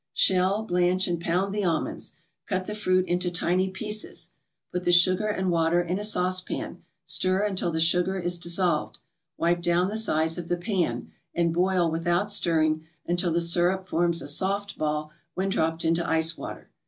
Shell, blanch and pound the almonds. Cut the fruit into tiny pieces. Put the sugar and water in a saucepan, stir until the sugar is dissolved, wipe down the sides of the pan, and boil without stirring until the syrup forms a soft ball when dropped into ice water.